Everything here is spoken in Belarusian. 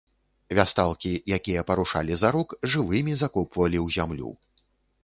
Вясталкі, якія парушалі зарок, жывымі закопвалі ў зямлю.